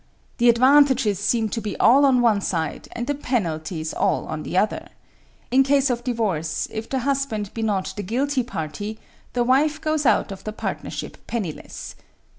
The advantages seem to be all on one side and the penalties on the other. In case of divorce, if the husband be not the guilty party, the wife goes out of the partnership penniless.